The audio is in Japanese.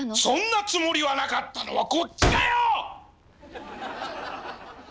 そんなつもりはなかったのはこっちだよ！